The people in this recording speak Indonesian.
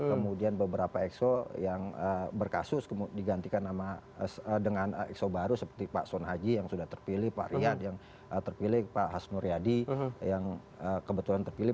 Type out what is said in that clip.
kemudian beberapa exo yang berkasus digantikan dengan exo baru seperti pak son haji yang sudah terpilih pak riyad yang terpilih pak hasnur yadi yang kebetulan terpilih